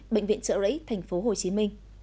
bệnh viện trợ rẫy tp hcm